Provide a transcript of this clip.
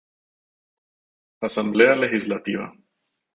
Asamblea legislativa